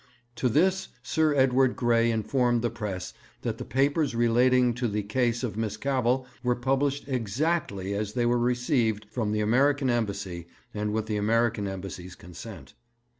To this Sir Edward Grey informed the press that the papers relating to the case of Miss Cavell were published exactly as they were received from the American Embassy and with the American Embassy's consent.